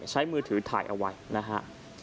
ใช้มือถือถ่ายเอาไว้นะฮะ